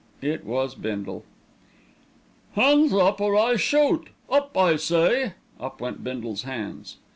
It was Bindle. "Hands up, or I shoot! Up, I say." Up went Bindle's hands.